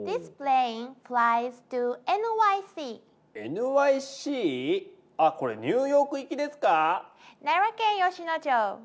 ＮＹＣ⁉あこれニューヨーク行きですか？